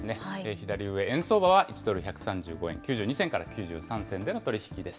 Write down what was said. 左上、円相場は１ドル１３５円９２銭から９３銭での取り引きです。